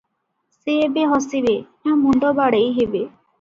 ସେ ଏବେ ହସିବେ, ନା ମୁଣ୍ଡ ବାଡେଇ ହେବେ?